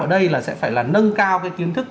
ở đây là sẽ phải là nâng cao cái kiến thức